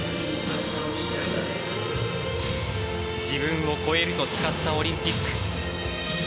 自分を超えると誓ったオリンピック。